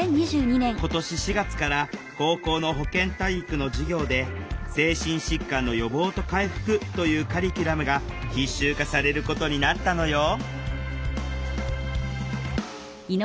今年４月から高校の保健体育の授業で「精神疾患の予防と回復」というカリキュラムが必修化されることになったのよ